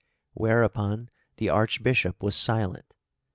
Whereupon the Archbishop was silent.